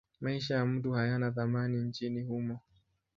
Maisha ya mtu hayana thamani nchini humo.